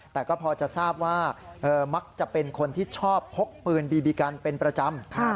แต่ก็พอจะทราบว่ามักจะเป็นคนที่ชอบพกปืนบีบีกันเป็นประจำ